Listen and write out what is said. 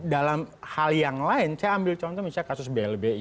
dalam hal yang lain saya ambil contoh misalnya kasus blbi